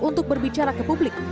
untuk berbicara ke publik